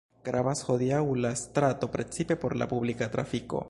Gravas hodiaŭ la strato precipe por la publika trafiko.